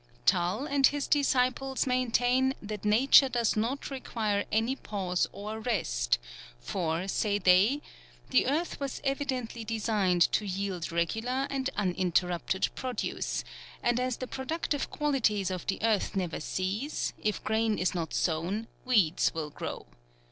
Tull, and his disciples, maintain, that nature does not require any pause or rest ; for, say they, " the earth was evidently designed to yield % regular and uninterrupted produce, and as FEBRUARY. 19 the productive qualities ot the earth never cease, if grain is not sown, weeds will grow.